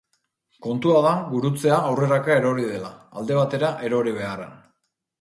Kontua da gurutzea aurreraka erori dela, alde batera erori beharrean.